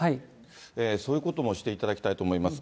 そういうこともしていただきたいと思います。